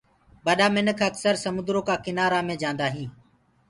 ٻڏآ مينک اڪسر سموندرو ڪو ڪنآرآ مي جآندآ هينٚ۔